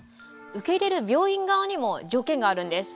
受け入れる病院側にも条件があるんです。